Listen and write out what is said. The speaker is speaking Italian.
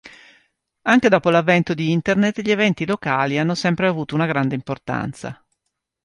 Anche dopo l'avvento di Internet gli eventi locali hanno sempre avuto una grande importanza.